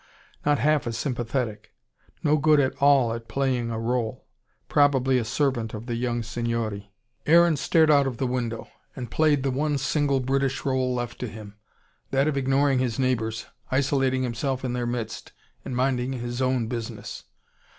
Not half as sympathetic. No good at all at playing a role. Probably a servant of the young signori. Aaron stared out of the window, and played the one single British role left to him, that of ignoring his neighbours, isolating himself in their midst, and minding his own business.